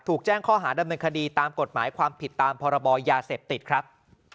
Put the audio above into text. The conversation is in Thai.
ถูกแจ้งข้อหาดำเนินคดีตามกฎหมายความผิดตามพรบยาเสพติดครับ